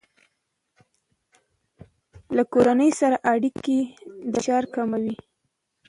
له کورنۍ سره اړیکه د فشار کموي.